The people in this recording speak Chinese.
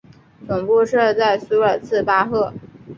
总部设在苏尔茨巴赫。